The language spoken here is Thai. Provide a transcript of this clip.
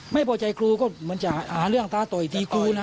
ครูก็เหมือนจะหาเรื่องท้าต่อยทีครูนะ